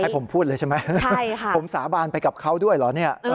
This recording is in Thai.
ให้ผมพูดเลยใช่ไหมผมสาบานไปกับเขาด้วยเหรอ